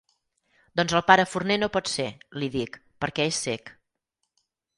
Doncs el pare Forner no pot ser —li dic—, perquè és cec.